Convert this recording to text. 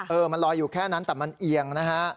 มันลอยอยู่แค่นั้นแต่มันเอียงนะฮะ